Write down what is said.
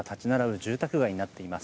住宅街になっています。